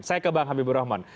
saya ke bang habibur rahman